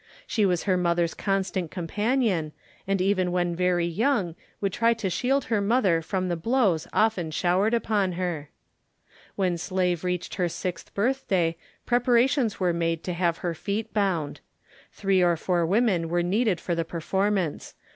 She was her mother's constant companion, and even when very young would try to shield her mother from the blows often showered upon her. When Slave reached her sixth birthday preparations were made to have her feet bound. Three or four women were needed for the performance.